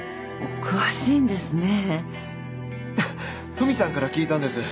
フミさんから聞いたんです。